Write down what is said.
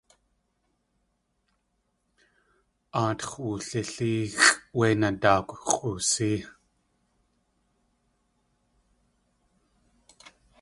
Aatx̲ wulilʼéexʼ wé nadáakw x̲ʼoosí.